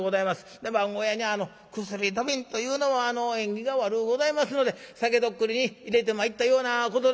で番小屋に薬土瓶というのも縁起が悪うございますので酒徳利に入れてまいったようなことでございます」。